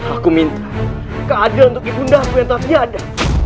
aku minta keadilan untuk ikun dapur yang terakhir ada